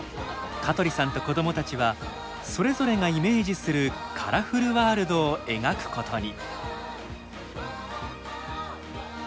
香取さんと子供たちはそれぞれがイメージするカラフルワールドを描くことに。